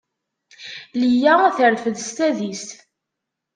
Liya terfed s tadist.